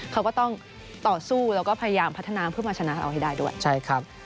เขาก็ต้องต่อสู้แล้วก็พยายามพัฒนาเพื่อมาชนะเราให้ได้ด้วยใช่ครับ